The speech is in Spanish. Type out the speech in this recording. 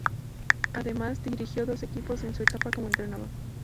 Además, dirigió dos equipos en su etapa como entrenador.